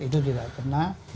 itu tidak pernah